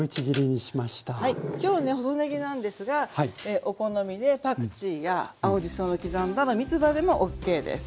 はい今日ね細ねぎなんですがお好みでパクチーや青じその刻んだみつばでもＯＫです。